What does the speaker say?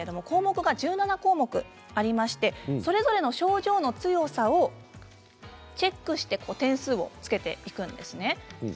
項目が１７項目ありましてそれぞれの症状の強さをチェックして点数をつけていくんですね。